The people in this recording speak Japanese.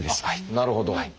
なるほど。